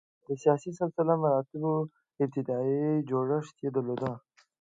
د سیاسي سلسله مراتبو ابتدايي جوړښت یې درلود.